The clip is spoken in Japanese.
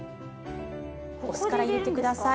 お酢から入れて下さい。